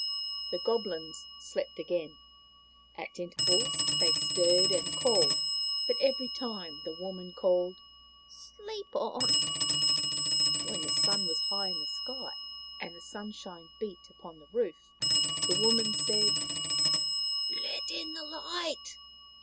The Goblins slept again. At intervals they stirred and called, but every time the woman called, " Sleep on !" When the sun was high in the sky, and the sunshine beat upon the roof, the woman said: " Let in the light